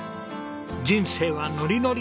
人生はノリノリ！